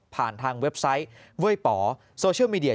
ผ่านทางเว็บไซต์เว้ยป๋อโซเชียลมีเดีย